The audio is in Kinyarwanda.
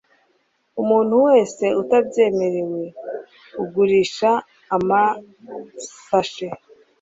Umuntu wese utabyemerewe ugurisha amasashe